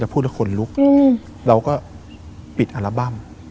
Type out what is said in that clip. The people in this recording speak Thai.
แล้วพูดชื่อคนลุกเราก็ปิดอัลบั้ม